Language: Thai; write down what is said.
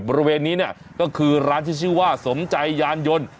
บริเวณนี้เนี่ยก็คือร้านที่ชื่อว่าสมใจยานยนต์